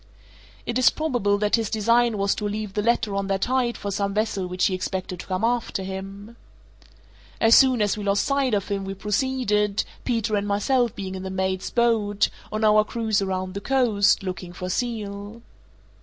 It is probable that his design was to leave the letter on that height for some vessel which he expected to come after him. As soon as we lost sight of him we proceeded (Peters and myself being in the mate's boat) on our cruise around the coast, looking for seal.